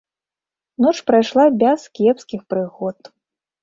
Ноч прайшла без кепскіх прыгод.